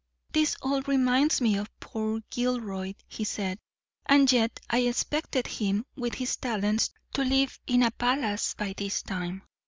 "This all reminds me of poor Gilroy," he said; "and yet I expected him, with his talents, to live in a palace by this time.